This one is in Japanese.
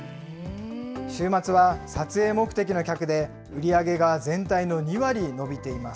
週末は撮影目的の客で、売り上げが全体の２割伸びています。